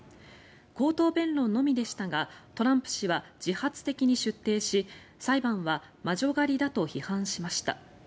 口頭弁論のみでしたがトランプ氏は自発的に出廷し裁判は魔女狩りだと批判しました。